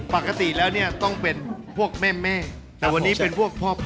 ปกติแล้วเนี่ยต้องเป็นพวกแม่แม่แต่วันนี้เป็นพวกพ่อ